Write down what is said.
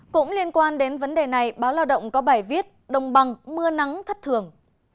cũng liên quan đến vấn đề này báo lao động có bài viết đồng bằng mưa nắng thất thường